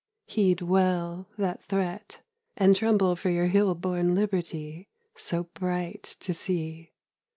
Heed well that threat; And tremble for your hill born liberty So bright to see!